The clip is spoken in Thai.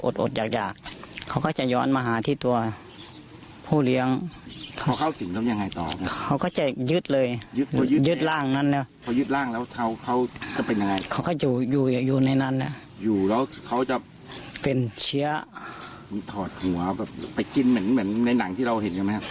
ถอดหัวไปกินเหมือนในหนังที่เราเห็นใช่ไหมครับ